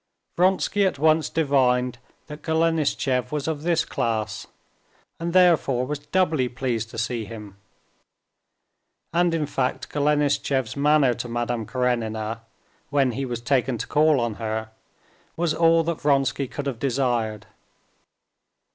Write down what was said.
Vronsky at once divined that Golenishtchev was of this class, and therefore was doubly pleased to see him. And in fact, Golenishtchev's manner to Madame Karenina, when he was taken to call on her, was all that Vronsky could have desired.